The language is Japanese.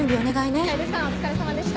楓さんお疲れさまでした。